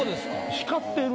光ってる。